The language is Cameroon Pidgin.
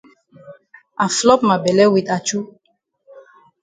I flop ma bele wit achu.